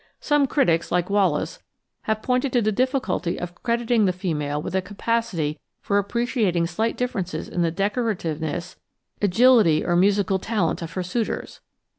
Some critics, like Wallace, have pointed to the difficulty of crediting the female with a capacity for appreciating slight differences in the decorativeness, agility, or musical talent of her suitors.